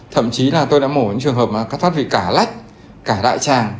thậm chí là tôi đã mổ những trường hợp mà các thoát vị cả lách cả đại tràng